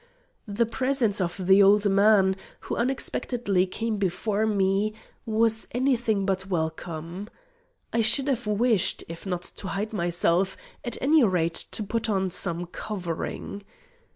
The presence of the old man, who unexpectedly came before me, was any thing but welcome. I should have wished, if not to hide myself, at any rate to put on some covering.